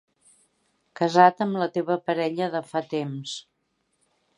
Casa't amb la teva parella de fa temps.